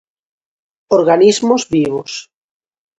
Organismos vivos.